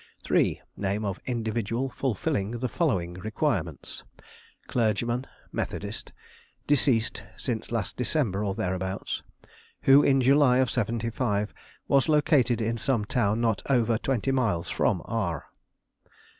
3. Name of individual fulfilling the following requirements: Clergyman, Methodist, deceased since last December or thereabouts, who in July of Seventy five was located in some town not over twenty miles from R